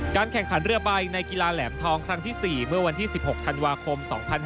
แข่งขันเรือใบในกีฬาแหลมทองครั้งที่๔เมื่อวันที่๑๖ธันวาคม๒๕๖๒